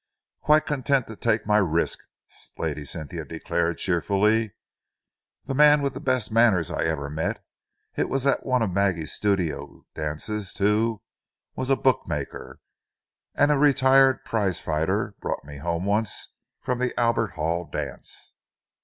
"Quite content to take my risk," Lady Cynthia declared cheerfully. "The man with the best manners I ever met it was at one of Maggie's studio dances, too was a bookmaker. And a retired prize fighter brought me home once from an Albert Hall dance."